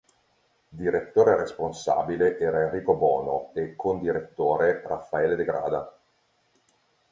Direttore responsabile era Enrico Bono e condirettore Raffaele De Grada.